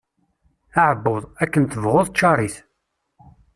Aεebbuḍ, akken tebɣuḍ ččar-it.